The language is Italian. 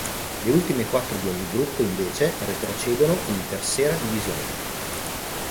Le ultime quattro di ogni gruppo invece, retrocedono in Tercera División.